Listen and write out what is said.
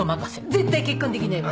絶対結婚できないわ！